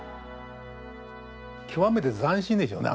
極めて斬新でしょうね。